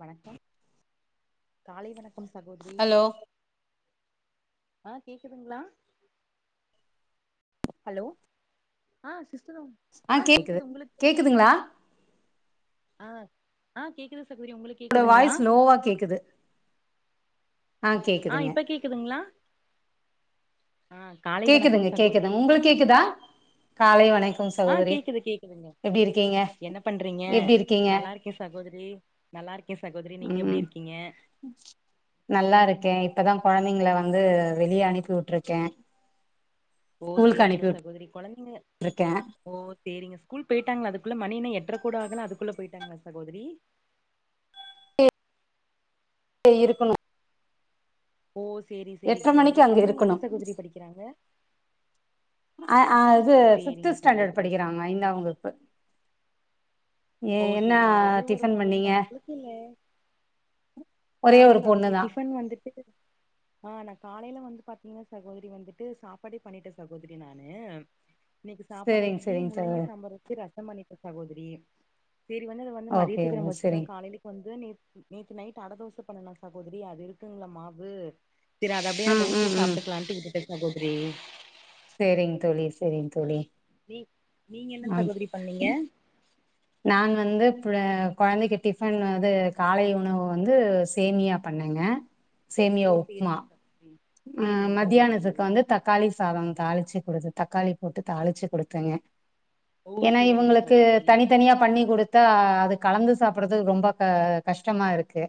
வணக்கம் காலை வணக் கம் சகோத்ரி ஹலோ ஆ கேக்குதுங்களா ஹலோ ஆ சிஸ் டரும் ஆ கேக்குது உங்களுக் கேக்குதுங் ஆ ஆ கேக்குது சகோதரி உங்களுக்கு [inaudible] கேக்குதுங்களா வாய்ஸ் லோவா கேக்குது ஆ ஆஹ கேக்குதுங்க இப்ப கேக்குதுங்களா ஆ காலை வணக்கம் கேக்குதுங்க சகோதரி கேக்குதுங்க உங்களுக் கேக்குதா காலை வணக் ஆஹ கேக்குது கேக்குதுங்க என்ன பண்றீங்க எப்டி இருக்கீங்க நல்லா இருக்கே சகோதரி நல்லா இருக்கே சகோதரி நீங்க ம் எப்டி இருக்கீங்க தா கொழந்தைங்கள வந்து வெளியே அனுப்பி விட்டுருக்கே ஓ சேரிங்க சகோதரி கொழந் ட்ருக்கே சேரிங்க ஸ்கூல் போய்ட்டாங்களா அதுக்குள்ள மணி என்ன எட்ர கூட ஆகல அதுக்குள்ள போய்ட்டாங்களா சகோதரி டே இருக்கணு ஓ சேரி எட்ர சேரிங் மணிக்கு சகோதரி அங்க கொழந்தைங்க இருக்கணு என்ன சகோதரி படிக்கிறாங்க அ ஆ இது ஃபிப்த்து சேரிங்க ஸ்டேண்டர்ட் சகோதரி படிக்கிறாங்க ஐந்தாம் வகுப்பு ஏ ஓ என்ன சேரிங்க ஒரே ஒரு டிஃபன் பொண்ணுங்களா பண்ணீங்க உங்களுக்கு இல்ல ஒரே நானா ஒரு பொண்ணு சகோதரி தா டிஃபன் வந்துட்டு ஆஹ நா காலையில வந்து பாத்தீங்கன்னா சகோதரி வந்துட்டு சாப்பாடே பண்ணிட்டே சகோதரி நானு இன்னைக்கு சாப்பாடு சேரிங்க வச்சு சேரிங்க முள்ளங்கி சகோதரி சாம்பார் வச்சி ரசம் பத்து மணிக்கு சகோதிரி செரி வந்து அத அத வந்து ஓகே மதியத்துக்கு நம்ப ஓகே வச்சுக்களா சேரிங்க காலலைக்கு வந்து ந்து நேத் நேத்து நைட்டு அட தோச பண்ணனா சகோதிரி அது இருக்குங்களா மாவு சரி அத அப்டியே ம் நம்ம ஊத்தி ம் ம் சாப்ட்டுக்லான்ட்டு இரு சகோத்ரி சேரிங் தோழி சேரிங் தோழி நீ நீங்க என்ன ம் சகோதிரி பண்ணிங்க நான் வந்து பிழ கொழந்தைக்கு டிஃபன் வது காலை உணவு வந்து சேமியா பண்ணங்க ஓ சேரிங்க சகோதிரி ஆஹ் மதியானத்துக்கு வந்து தக்காளி சாதொ தாளிச்சி ஒருது தக்காளி போட்டு தாளிச்சி குடுத்தங்க ஓ ஏனா சேரிங்க இவுங்களுக்கு சகோதரி தனித்தனியா பண்ணி குடுத்தா அது கலந்து சாப்புட்றது ரொம்ப க கஷ்டமா இருக்கு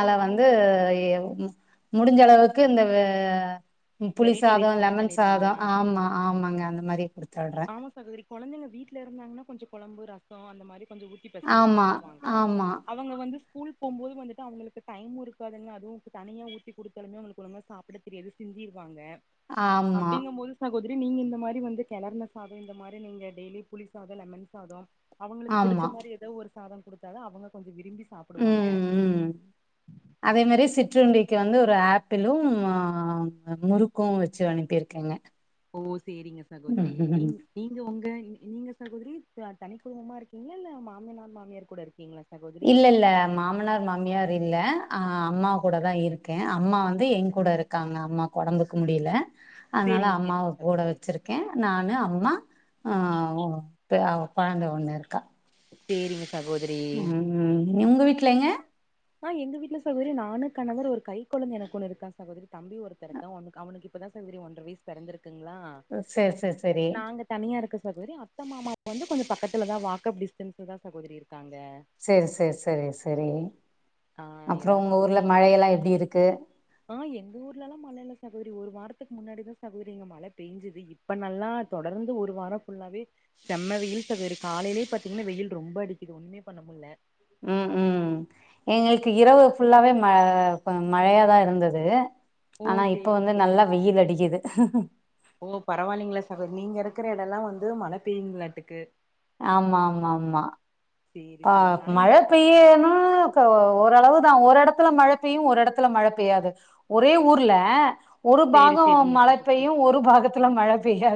ஆ ஆமா வந்து சகோதரி ஏ முடிஞ்சளவுக் க்கு இந்த வே புளி வெரைட்டி சாதொ ரைஸ் மாரி லெமன் சாதொ பண்ணிருவீங்களா ஆமா ஆமாங்க அந்த மாரி குடுத்து விட்றே ஆமா சகோதரி கொழந்தைங்க வீட்ல இருந்தாங்னா கொஞ்சொ கொழம்பு ரசொ அந்த மாரி கொஞ்ச ஊத்தி பெசஞ்சு ஆமா சாப்டுவாங்க ஆமா அவங்க வந்து ஸ்கூல் போம்போது வந்துட்டு அவ்ங்களுக்கு டைமு இருக்காதுங்க அதுவு இப்ப தனியா ஊத்தி குடுத்தாலுமே அவ்ங்களுக்கு ஒழுங்க சாப்ட தெரியாது சிந்திருவாங்க ஆமா அப்டிங்கம் போது கொஞ் சகோதிரி நீங்க இந்த மாரி வந்து கெளர்ண சாத இந்த மாரி நீங்க டெய்லி புளி சாத லெமன் சாத அவ்ங்களுக்கு புடிச்ச ஆமா மாரி எதோ ஒரு சாத குடுத்தா தா அவ்ங்க கொஞ்ச விரும்பி சாப்டுவாங்க உம் உம் அதே மாரியே சிற்றுண்டிக் கி வந்து ஒரு ஆப்பிளும் ஆஹ் முறுக்கு வச்சு அனுப்பிருக்கேங்க ஓ சேரிங்க சகோதரி நீங் நீங்க ஒங்க இனி நீங்க சகோதிரி த தனி குடும்பமா இருக்கீங்ளா இல்ல மாமனார் மாமியார் கூட இருக்கீங்ளா ச இல்ல இல்ல மாமனார் மாமியாரு இல்ல ஆஹ் அம்மா கூட தா இருக்கே அம்மா வந்து எங்கூட இருக்காங்க அம்மாக்கு ஒடம்புக்கு முடியல அதுனால சேரிங்க அம்மாவ சேரிங்க கூட சகோதரி வச்சிருக்கே நானு அம்மா ஆஹ் பெ கொழந்த ஒன்னு இருக்கா சேரிங்க சாகோதரி ம் உங்க வீட்டுலங்க ஆஹ் எங்க வீட்ல சகோதரி நானு கணவர் ஒரு கை கொழந்த எனக்கு ஒன்னு இருக்கா சகோதரி தம்பி ஒருத்த இருக்கா அவனுக்கிப்பதா சகோதரி ஒன்ற வயசு பெறந்திருக் க்குங்ளா சேரி சேரி சேரி நாங்க தனியா இருக்க சகோதரி அத்த மாமாக்கு வந்து கொஞ்ச பக்கத்துலதா வாக்கப் டிஸ்டன்ஸ்லதா சகோதரி இருக் சேர் சேர் செரி செரி ஆ அப்றோ உங்க ஊர்ல மழயெல்லா எப்டி இருக்கு ஆஹ் எங்க ஊர்லல்லா மழ இல்ல சகோதரி ஒரு வாரத்துக்கு முன்னாடிதா சகோதரி இங்க மழ பெய்ஞ்சுது இப்ப நல்லா தொடர்ந்து ஒரு வாரொ ஃபுல்லாவே செம்ம வெயில் சகோதரி காலைலே பாத்தீங்கன்னா வெயில் ரொம்ப அடிக்குது ஒன்னுமே பண்ணமுல்ல உம் ம் எங்களுக்கு இரவு ஃபுல்லாவே ம ப மழயாதா இருந்தது ஓ ஆனா இப்ப சேரிங் வந்து சேரிங்க நல்லா வெயில் சகோதரி அடிக்குது ஓ பரவாயில்லைங்கள சகோதரி நீங்க ருக் க்கிற எடோல்லா வந்து மழ பெயுங்களாட்டுக்கு ஆமாம்மாம்மா சேரி ஆஹ் சேரிங்க ஆனா இங் மழ பெய்யனு இப்ப ஓரளவு தா ஒரெடத்துல மழ பெய்யு ஒரெடத்துல மழ பெய்யாது ஒரே ஊர்ல ஒரு சேரி பாகோ சேரிங்க மழ சகோதரி பெய்யு ஒரு பாகத்துல மழ பெய்யா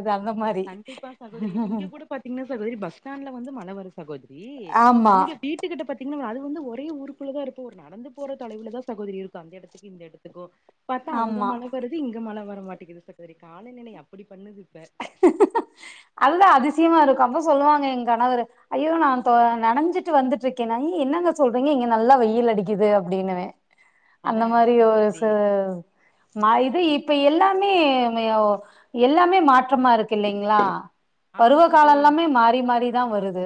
கண்டிப்பா சகோதரி இப்ப இங்க கூட பாத்தீங்னா சகோதரி பஸ் டாண்ட்ல வந்து மழ வருது சகோதரி ஆமா இங்க வீட்டுக்கிட்ட பாத்தீங்னா அதுவு வந்து ஒரே ஊக்குள்ளதா இருப்போ ஒரு நடந்து போற தொலைவுலதா சகோதரி இருக்கு அந்த எடத்துக்கு இந்த எடத்துக்கு பாத்தா அங்க ஆமா மழ வருது இங்க மழ வ ர மாட்டிக்குது சகோதரி காலநிலை அப்பிடி பண்ணுது இப்ப அதுதா அதிசயமா இருக்கு அப்போ சொல்லுவாங்க எங் கணவரு ஐயோ நா தொ நனஞ்சிட்டு வந்துட்ருக்கே நா ஐய என்னங்க சொல்றீங்க இங்க நல்லா வெயில் அடிக்குது அப்டின்னுவே அந்த அதா அதா மாரியோ சகோதரி சோஸ் நா இது இப்ப எல் எல்லாமே மயோ எல்லாமே மாட் ற்றமா இருக்கு இல்லைங்ளா ஆமா பருவ கால சகோதரி எல்லாமே மாறி மாறிதா வருது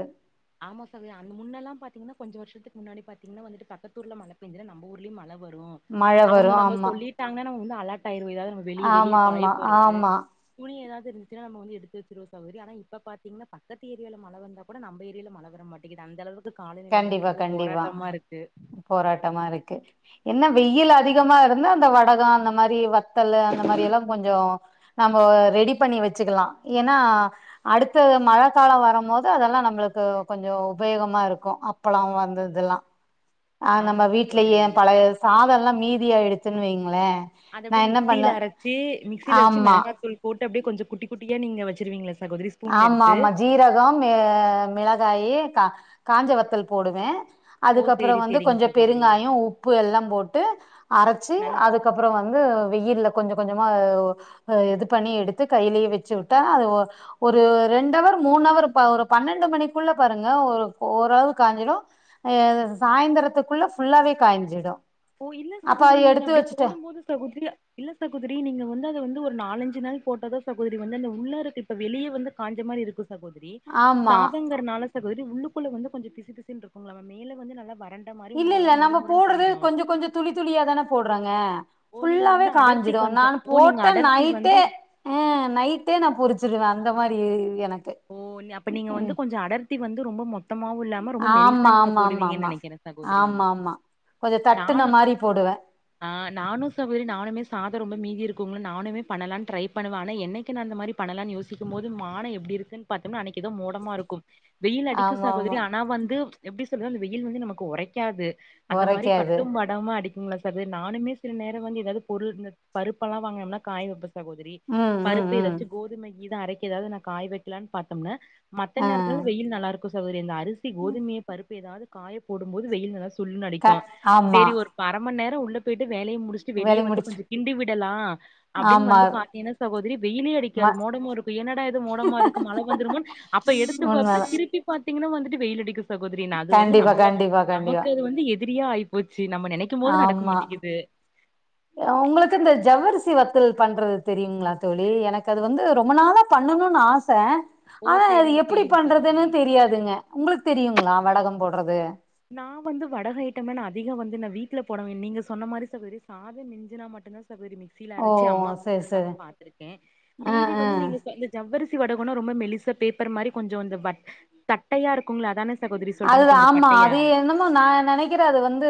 ஆமா சகோத்ரி அந் முன்னெல்லா பாத்தீங்னா கொஞ்ச வர்ஷத்துக்கு முன்னாடி பாத்தீங்னா வந்துட்டு பக்கத்தூர்ல மழபெஞ்சதுனா நம்ம ஊர்லயு மழ வரு மழ அவுங்க வரும் நம்ம ஆமா சொல்லிட்டாங்கனா நம்ம இன்ன அலாட் டாயிருவ எதாவ்து நாம வெளிய வெளிய ஆமா ஆமா காயப் போட்றது ஆமா துணி எதாவ்து இருந்துச்சுனா நம்ம வந்து எடுத்து வச் இரோசவ்ரி ஆனா இப்ப பாத்தீங்னா பக்கத்து ஏரியால மழ வந்தா கூட நம்ப ஏர் ரியால மழ வர மாட்டிங்குது அந்த அளவுக் கண்டிப்பா கண்டிப்பா போராட்டமா இருக்கு என்ன வெயில் அதிகமா இருந்தா அந்த வடக அந்த மாரி வ த்தலு அந்த மாரியெல்லா கொஞ்சோ நம் ஆஹ் ரெடி பண்ணி வச்சுக்கலா ஏனா அடுத்த மழக்கால வரம் போது அதெல்லா நம்மளுக்கு கொஞ்ச உபயோகமாக இருக் கு அப்பலா வந்து இதுலா ஆஹ் நம்ம ஆமா வீட்லயே சகோதரி பழைய சாதலா மீதியாய்டுச்சுன் வைங்களே அத நா அப்படியே என்ன மிக்சியில பண்ணே ஆமா ட்டு அப்டே கொஞ்ச குட்டி குட்டியா நீங்க வச்சிருவீங்ளா ச ஆமா ஆமா ஜீரகம் ஆஹ் மிளகாயி கா காஞ்ச வத்தல் போடுவோ ஓ அதுக்கப்பற சேரி வந்து சேரிங்க கொஞ்ச சகோதரி பெருங்காய உப்பு எல்லா போட்டு அரச்சு நல்லா அதுக்கப்பற வந்து வெயில்ல கொஞ்ச கொஞ்சமாஹ ஆஹ் இது பண்ணி எடுத்து கையிலே வெச்சுவுட்டா அதுவா ஒரு ரெண்டவர் மூண்வர் ப ஒரு பன்னெண்டு மணிக்குள்ள பாருங்க ஒரு ஓரளவு காஞ்சிரு ஆஹ் சாய்ந்தரத்துக்குள்ள ஃபுல்லாவே காய்ஞ்சிடு ஓ இல்ல அப்ப சகோதரி அதை நீங்க எடுத்து அப்டி வச்சுட் போடும் போது சகோதரி இல்ல சகோதரி நீங்க வந்து அத வந்து ஒரு நாலஞ்சு நாள் போட்டோதா சகோதரி வந்து அந்த உள்ளாருக்கு இப்ப வெளிய வந்து காஞ்ச மாரி இருக்கு சகோதரி ஆமா சாதங்கர்னால சகோ தரி உள்ளக்குள்ள வந்து கொஞ்சொ பிசு பிசுன் இருக்குங்ளாமா மேல வந்து நல்லா வ இல்ல இல்ல நம்ம போடுறது கொஞ்சொ கொஞ்சொ துளி துளியா தானே போடுறாங்க ஓ நீங்க ஃபுல்லாவ வந்து அடர்த்தி காஞ்சுடு கொஞ்சோ நான் ஓ நீங்க போட்ட அடர்த்தி வந்து நைட்டே ஹ நைட்டே நா பொறிச்சிருவ அந்த மாரி எனக் ஓ நீ அப்ப நீங்க வந்து கொஞ்சோ அடர்த்தி வந் ரொம்ப மொத் த்தமாவு இல்லாம ரொ மெலிசா ஆமா நீங்க ஆமா ஆமா போடுவிங்க ஆமா நெனைக்கிற சகோதரி ஆமா ஆமா கொஞ்சோ தட்டுன நானு மாரி போடுவே ஆஹ் நானு சகோதரி நானுமே சாதோ ரொம்ப மீதி இருக் க்குள நானுமே பண்ணலா டிரை பண்ணுவ. ஆனா என்னைக்கி நா அந்தமாரி பண்ணலா யோசிக்கு போது மானம் எப்டி இருக் கே பாத்தோம்ன்னா அன்னைக்கி ஏதோ மோடமா இருக்கு வெய்யில் அடிக்கு ஆமா சகோதரி ஆமா ஆனா வந்து எப்டி சொல்றா அந்த வெய்யில் வந்து நமக்கு உறைக்காது. அந்த மாரி ஒரைக்காது பட்டும் படமா அடிக் உண்ம சகோதரி நானமே சில நேரம் வந்து ஏதாவ்து பொருள் பருப்பெல்லா வாங்குனான்ன காய வெப்ப சகோதரி ம் ம் பருப்பு ம் ஏதாச்சு கோதுமை இது அரைக்கக்குதா நா காய வை கிலன்னு பாத்தோம்னா மத்த ஆ நேரத்துல வெய்யில் நல்லா இருக்கு. இருக் சகோதரி [unintelligible] அரிசி கோதுமைய பருப் ஏதாவ்து காய போடும்போது வெயில் நல சுல்லுனு க அடிக்கு ஆமா சரி ஒரு பரமன் நேர் உள்ள போய்ட்டு வேலைய முடிச்சிட்டு வெளியே வேலைய வந்து கொஞ்சோ முடிச்சுட்டு கிண்டி விடலாம அப்டின்னு ஆமா வந்து பாத்தினா சகோதரி வெயிலே ம அடிக்காது மோடமா இருக்கோ என்னட மோடமா இருக் மழ வந்துருமோ அப்ப எடுத்து வப்ப உண்மதா திருப்பி பாத்து பாதீங்கனா வந்துட்டு வெயில்லடிக்கோ சகோதரி நா அது வந்து கண்டிப்பா நம்மளோ கண்டிப்பா நமக்கு கண்டிப்பா அது வந்து எதி ரியா ஆயிப்போ ஆமா உங்களுக்கு இந்த ஜவ்வரி சி வத்தல் பண்றது தெரியுங்களா தோழி எனக்கு அது வந்து ரொம்ப நாள பண்ணனும்னு ஆச ஓ ஆனா அது சேரிங்க எப்டி சேரிங்க பண்றதுன்னு சகோதரி தெரியாதுங்க உங்களுக்கு தெரியுங்களா வடகம் போட்றது நா வந்து வடக ஐட்டமே நா அதிகோ வந்து நா வீட்டு்ல போடவேன் நீங்க சொன்ன மாரி சகோதரி சாதம் மிஞ்சுனா மட்டுதா சகோதரி மிக்சில ஓ அரைச்சி அம்மா போட்டு சரி குடுத்திருக்காங்க சரி பாத்துருக்கே ஆ மீதி ஆ வந்து நீங்க இந்த ஜவ்வரி த்தி வடகோணா ரொம்ப மெலிச பேப்பர் மாரி கொஞ்சோ தட்டையா இருக்கோங்களே அத்தானே என் சகோதரி சொல்றிங்க அதுதான் கொஞ்சோ ஆமா பட் அது என்னமோ நா நெனைக்கிறே அது வந்து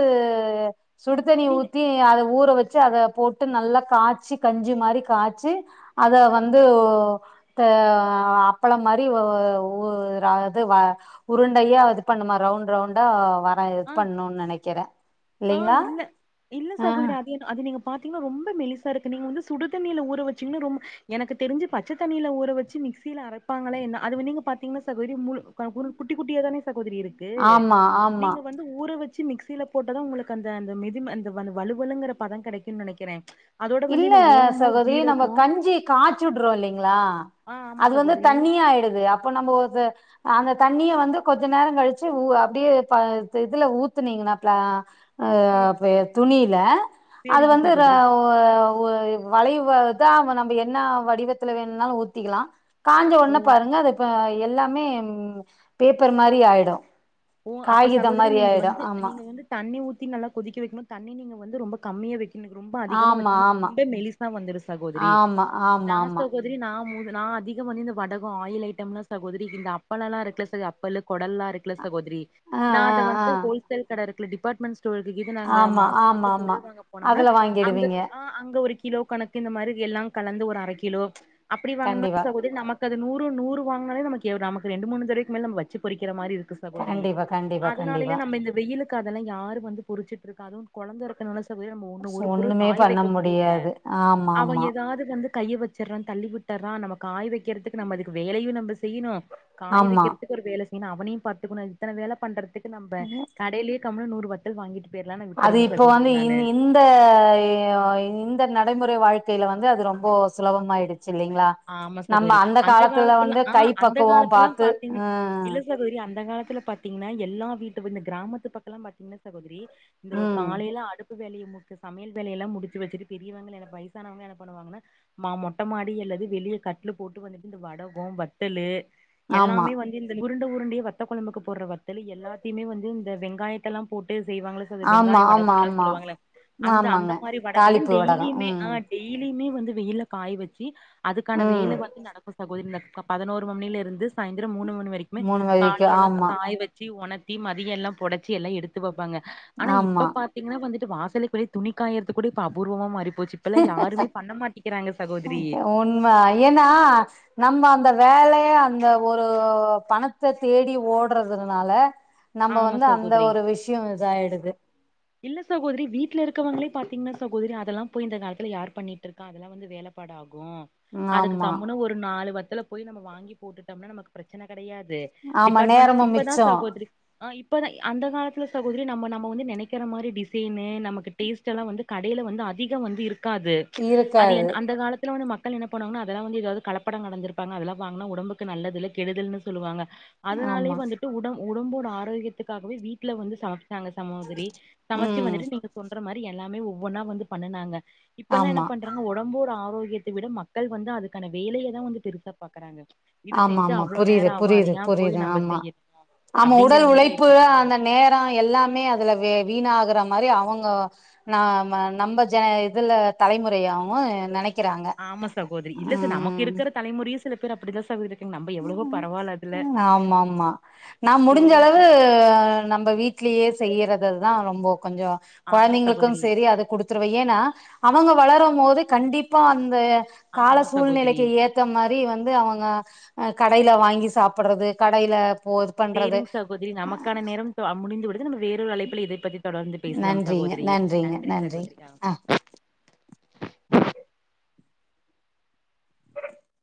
சுடுதண்ணி நீங்க ஊத்தி அத ஊற வெச் ச்சு அத போட்டு நல்லா காச்சி கஞ்சி மாரி காச்சி அத வந்து ஒ த அ அப்பள மாரி வ ஒ ஒ அது ர உருண்டையா பண்ணுமா ரவுண்ட் ரவுண்டா ந எது பண்ணுனு நெனைக்கிற ஆஹ் இல்ல இல்ல சகோதரி அது அது நீங்க பாத்தீங்ன்னா ரொம்ப மெலிசா இருக்கு நீங்க வந்து சுடு தண்ணியில ஊற வச்சீங்கனா ரொ எனக்கு தெரிஞ்சு பச்ச தண்ணியில ஊற வச்சு மிக்சியில அரைப்பாங்கள என்ன அது நீங்கா பாத்திங்னா சகோதரி முழு ஒரு குட்டி குட்டியா தானே கோதரி இருக்கு ஆமா, ஆமா. நீங்க வந்து ஊறவ சு மிக்சில போட் டுதா உங்களுக்கு அந்த அந்த மெது அந்தந்த வலுவலுங்கற பத கெடைக்குன் நெனைக்கிறே ப்ச் இல்ல சகோதரி நம்ம கஞ்சி காச்சிடுறோ இல்லைங்ளா ஆ ஆமா அது வந்து சகோதரி தண்ணியாயிடுது அப்ப நாம்ப அத அந்த தண்ணிய வந்து கொஞ்ச நேரங்கழிச்சு உ அப்படியே ப இதுல ஊத்துனீங்கன்னா ப்ளா ஆ சேரி ப துணியில அது சேரிங்க வந்து சகோதரி ஒ வளைவு இதா நம்ம என்ன வடிவத்துல வேணுனாலு ஊத்திக்கலா காஞ்ச ஓ ஒண்ண பாருங்க அது இப்ப எல்லாமே ம் பேப்பர் மாரி ஆயிடு ஓ அப்ப சகோதரி நீங்க வந்து நீங்க வந்து தண்ணி ஊ த்தி நல்லா கொதிக்க வெக்கணு தண்ணி நீங்க வந்து ரொம்ப கம்மியா வெக் எனக்கு ரொம்ப அதிகமா ஆமா, வச்சு ஆமா. ரொம்ப மெலிசா வந்துரு சகோதரி ஆமா, நா ஆமாமா. சகோதரி நா ம நா அதிகம் வந்து இந்த வடகம் ஆயில் ஐட்டம்ல்லா சகோதரி இந்த அப்பள லா இருக்கல சகோதரி அப்பளம் குடல்லா இருக்ல சகோதரி ஆ, நா ஆ, அத வந்து ஆ. ஹோல்சேல் கட இருக்குல க்ல டிபார்டமெண்ட் ஸ்டோர் ஸ்டோர்க்கு இது நாங்க ஆமா மாச ஆமா மாசம் ஆமா பொருள் வாங்க போனோம்னா அதுல அங்க வாங்கிடுவீங்க ஆ அங்க ஒரு கிலோ கணக்கு இந்த மாரி எல்லா கலந்து ஒரு அரை கிலோ அப்டி வாங்கனோம்ன கண்டிப்பா சகோதரி நமக்கு அது நூறு நூறு வாங்குனாலே நமக்கு நமக்கு ரெண்டு மூணு தடவைக்கு மேல நம்ம வச்சு பொறிக்கிற மாரி இருக்கு சகோதரி கண்டிப்பா கண்டிப்பா அதனாலயே கண்டிப்பா நம்ம இந்த வெயிலுக்கு அதெல்லா யாரும் வந்து பொறிச்சிட்டு இருக்கா அதுவும் கொழந்த இருக்க நெனச்சாலே நம்ம ஒண்ணு ஒரு பொருள் ஒண்ணுமே காய பண்ண வைக்க முடியல முடியாது ஆமா அவன் ஆமா ஏதாவது வந்து கைய வச்சிட்றா தள்ளி விட்டற்றான் நம்ம காய வைக்கிறதுக்கு நம்ம அதுக்கு வேலையு நம்ம செய்யணும் காய ஆமா வைக்கிறதுக்கு ஒரு வேல நீ அவனையு பத் [unintelligible] இத்தனை வேலை பண்றதுக்கு நம்ம கடையிலயே கம்ன்னு நூறு வத்தல் வாங்கிட்டு போயிரலான்னு அது விட்டுறது இப்போ சகோதரி வந்து இ நானு இந்த, இந்த, நடைமுறை வாழ்க் தில வந்து அது ரொம்ப சுலபமாயிடு இல்லலைங்களா ஆமா நம்ம சகோதரி அந்த காலத்துல வந்து ஆ கை அந்த பக்குவம் காலத்துலா பாத்து அஹ். துல பாத்தீங்கன்னா எல்லா வீட்டு இந்த கிராமத்து பக்கம் பாத்தீங்கன்னா சகோதரி இந்த ஒரு ம் காலையிலா அடுப் வேலையை முக்க சமயல் வேலை யெல்லா முடிச்சு வெச்சுட்டு பெரியவங்கலா வயசானவக என்ன பண்ணுவாங்கனா மா மொட்ட மாடி அல்லது வெளியே கட்டுலு போட்டு வந்துட்டு இந்த வடகம் வட்டலு ஆமா எல்லாமே வந்து இந்த உருண்ட உருண்டிய வத்த கொழம்புக்கு போடுற வத்தல எல்லாத்தையுமே வந்து இந்த வெங்காயத்த எல்லா போட்டு செய்வாங்கள ச ஆமா வெங்காய ஆமா வடகல்ல ஆமா சொல்லுவா அந்த அந்த ஆமாங்க மாரி வடகல்லா தாளிப்பு வடகம் டெய்லியுமே ம் டெய்லியுமே வந்து வெயில காய் வெச்சு அதுக்கான ம் வேல வந்து நடக்கு சகோதரி பதினோரு மணியில இருந்து சாயந்திரம் மூணு மணி வரைக்குமே மூணு வகைக்கு காலையில எல்லா ஆமா காய வச்சு ஒணத்தி மதியம் எல்லாம் பொடைச்சி எல்லா எடுத்து வெப்பங்க ஆனா ஆமா இப்ப பாத்தீங்கன்னா வந்து வாசலைக்குளை துணிக்க காயறது கூட இப்ப அபூர்வமாக மறிப்ப போச்சி இப்பெல்லாம் யாருமே பண்ண மாட்டிக்கிறாங்க சகோதிரி உண்ம ஏன்னா நம்ம அந்த வேலைய அந்த ஒரு பணத்தை தேடி ஓடுறதுனால. நம்ம ஆமா வந்து அந்த சகோதரி ஒரு விஷயோ இதாயிடுது இல்ல சகோதரி, வீட்டுல இருக்கவங்களே பாத்தீங்கன்னா சகோதரி, அதெல்லா போய் இந்த காலத்து யார் பண்ணிட்டு இருக்கா அதெல்லா வந்து வேலைப்பாடா கும் அதுக்கு ஆமா கமுன்னு ஒரு நாலு பத் இதல போய் நம்ம வாங்கி போட்டுட்டம்னா நமக்கு பிரச்சனை கிடையாது. து ஆமா டிபார்மென்ட்ஸ். நேரமும் இப்பதா மிச்சம் சகோதரி, ஆஹா இப்பதா அந்த காலத்துல. சகோதரி நம்ம நம வந்து நெனைக்த இருக்கிற மாரி டிசைனு நமக்கு டேஸ்ட் எல்லா வந்து கடையில வந்து அதிக வந்து இருக் இருக்காது. அது இருக்காது என் அந்த காலத்துல வந் மக்க மக்கள் என்பணுவங்கான ஆதாவது ஏதாவது கலப்படம் கலந்துருபங்க அதெல்லா வாங்குனா ஒடம்புக்கு நல்லதுல்ல கெடுதல்ன்னு சொல்லுவாங்க. அதனாலேயே ஆமா வந்துட்டு உடம். உடம்போட ஆரோக்கியத்துக்காகவே வீட்டல வந்து சாப் நங்க சமோதிரி சமச்சு ம் வந்துட்டு நீங்க சொல்ற மாரி து எல்லாமே ஒவ்வொன்னா வந்து பண்ணுனாங்க இப்பெல்லா என்ன ஆமா பண்றாங்க ஒடம்போட ஆ ரோக்யத்த விட மக்கள் வந்து அதுக்கான வேலைய தா வந்து பெருசா பாக்குறாங்க இது ஆமா செஞ்சா ஆமா அவ்ளோ புரியுது நேரம் ஆகும். அத புரியுது ஏன் புரியுது போய் நம்ம ஆமா செய்யணும் ஆமா அப்டிங்கிற உடல் மாரி உழைப்பு ஆயிருச்சு சகோதரி. அந்த நேர எல்லாமே அதுலவே வீணாகுற மாரி அவங்க நாம நம்ப ஜ இதுல தலைமுறையாவு நெனைக் ஆமா சகோத்ரி இல்ல சார் நமக்கு இருக்குற தலைமுறையு சில பேர் அப்டிதா சகோதரி இருக்காங்க. நம்ம எவ்வளவோ பரவால்ல அதுல. ஆமா ஆமா நா முடிஞ்ச சேரிங்க அளவு சகோ நம்ப வீட்லயே செய்யிறது நா ரொம்போ கொஞ்ச ஆமா கொழந்தைங்களுக்கும் சகோதரி. சேரி அத குடுத்துருவே ஏனா அவங்க வளரும் மோது கண்டிப்பா அந்த கால ஆமா சகோதரி. சூழ்நிலைக்கு ஏத்த மாரி வந்து அவங்க அஹ் கடைல வாங்கி சாப்பிட்றது கடைல சேரிங் சகோதரி நமக்கான நேரம் தொ ஆஹ் முடிந்து விடு து நம்ம வேறொரு ஆழைப்பிலே இதை பகிர் தொடர்ந்து பேசலாம் நன்றிங்க சகோதரி நன்றிங்க நன்றி சகோதரி ஆஹ் ஆ